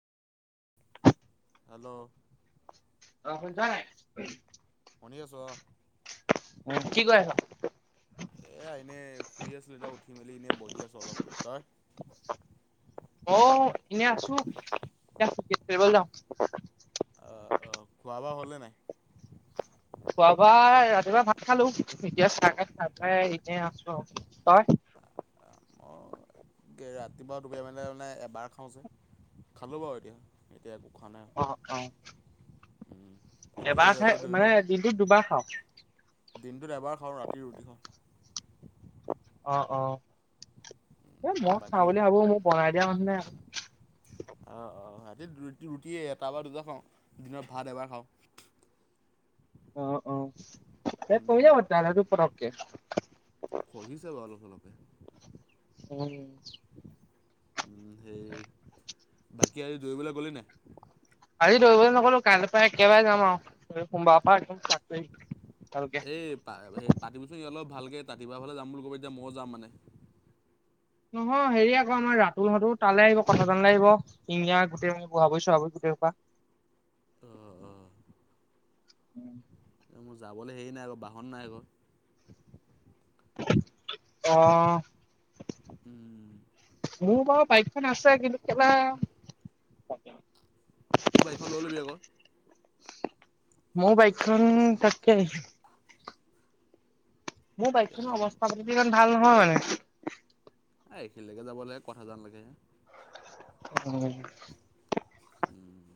Hello, অ শুনিছা নাই শুনি আছো অ'। উ কি কই আছ? এয়া এনেই শুই আছিলোঁ, এতিয়া উঠি মেলি এনে বহি আছোঁ অলপ তই? অ' এনে আছোঁ। এতিয়া [unintelligible] কৈবল যাওঁ। [inaudible] খোৱাবোৱা ৰাতিপুৱা ভাত খালোঁ। এতিয়া চাহ খাই, তা খাই এনে আছোঁ আও। তই? অ' গে ৰাতিপুৱা দুবেয়া মানে, মানে এবাৰ খাওঁ যে, খালোঁ বাও এতিয়া। একো খোৱা নাই অ', অ'। বাকী এবাৰ আজি খাই আজি দৌৰিব মানে দিনটোত দুবাৰ খাওঁ। দিনটোত এবাৰ খাওঁ, ৰাতি ৰুটি খাওঁ। অ', অ' এ ম খাওঁ বাকী বুলি ভাবো মোক বনাই দিয়া মানুহ নাই। আহ অ', ৰাতি ৰুটি এটা বাৰ দুটা খাওঁ দিনৰ ভাত এবাৰ খাওঁ। অ অ, ত পিলতেল [unintelligible] দুপৰককে [unintelligible] উ। সেই বাকী আই দৌইবলৈ গলি নাইস আজি দৌবলৈ নগলো। কাইলৈ পা একেবাই যাম আও এ সোমবাৰ পা একদম ষ্টাৰ্ট কইম। এই পা, হেই পাতিবিচো এ অলপ ভালকে তাতিপুৱাফালে যাম [unintelligible] এতিয়া ম যাম মানে। নহয় হেৰি আকৌ আমাৰ ৰাতুলহতো তালে আহিব কথা জানে আহিব। ইন্দিয়া গোটেই বুৱাবুই চুৱাবুই কিওপা। অ', অ'। উ। মো যাবলৈ হেৰি নাই আকৌ, বাহন নাই আকৌ। অ'। উ। মোৰ বাৰু বাইকখন আছে কিন্তু, কেলা তো বাইকখন লৈ ল'বি আকৌ। মোৰ বাইকখন তাকে। মোৰ বাইকখন অৱস্থা পাতিটো ইমান ভাল নহয় মানে। আ এইখিনিলেকে যাবলে কথা জান লাগে। উ। উম।